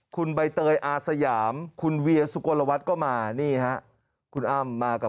คุณใบเตยอาสยามคุณเวียสุโกลวัฒน์ก็มานี่ฮะคุณอ้ำมากับ